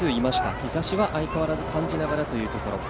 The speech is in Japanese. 日差しは相変わらず感じながらというところ。